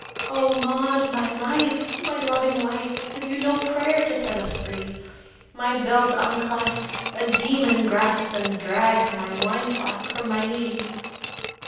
"O Maud, my life! my loving wife! Have you no prayer to set us free? My belt unclasps, a demon grasps And drags my wine flask from my knee!"